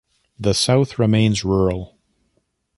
The south remains rural.